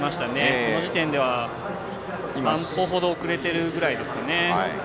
この辺りでは３歩ほど遅れているぐらいですかね。